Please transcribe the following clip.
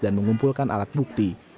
dan mengumpulkan alat bukti